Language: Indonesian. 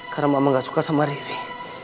karena mama gak suka sama riri